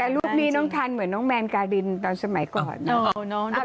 แต่ลูกดีน้องทันเป็นน้องแม่งกาดิลตอนสมัยก่อน